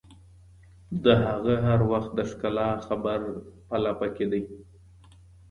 د هغه هر وخت د ښکلا خبر په لپه کي دي